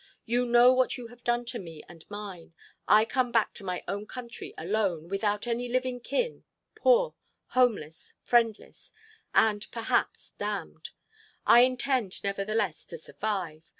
You know what you have done to me and mine. I come back to my own country alone, without any living kin, poor, homeless, friendless,—and, perhaps, damned. I intend, nevertheless, to survive.